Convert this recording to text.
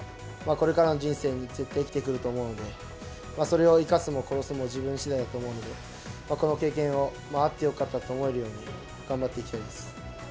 これからの人生に絶対に生きてくると思うので、それを生かすも殺すも自分しだいだと思うので、この経験を、あってよかったと思えるように、頑張っていきたいです。